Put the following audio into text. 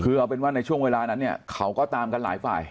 คือเอาเป็นว่าในช่วงเวลานั้นเนี่ยเขาก็ตามกันหลายฝ่าย